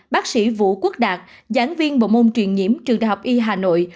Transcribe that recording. bác sĩ vũ quốc đạt giảng viên bộ môn truyền nhiễm trường đại học y hà nội